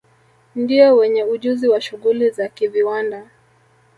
Ndio wenye ujuzi wa shughuli za kiviwanda